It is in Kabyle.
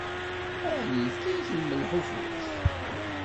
Ɛni yefka-yak lmelḥ ufus?